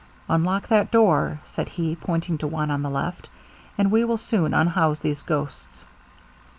'Unlock that door,' said he, pointing to one on the left, 'and we will soon unhouse these ghosts.'